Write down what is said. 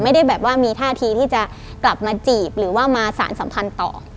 ไม่ได้แบบว่ามีท่าทีที่จะกลับมาจีบหรือว่ามาสารสัมพันธ์ต่อ